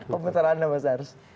pemerintah anna mas ars